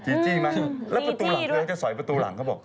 จีจี้ไหมแล้วประตูหลังเธอก็จะสอยประตูหลังเขาบอก